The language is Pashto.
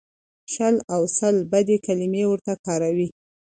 شل او سل بدې کلمې ورته کاروي.